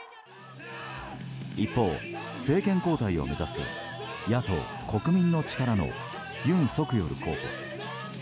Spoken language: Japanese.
一方、政権交代を目指す野党・国民の力のユン・ソクヨル候補。